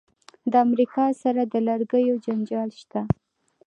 د امریکا سره د لرګیو جنجال شته.